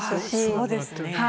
あそうですね。